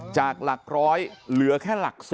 จากหลักร้อยเหลือแค่หลัก๒